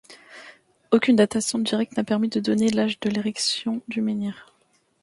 Aucune datation directe n'a permis de donner l'âge de l'érection du menhir.